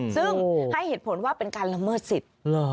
ซึ่งให้เหตุผลว่าเป็นการละเมิดสิทธิ์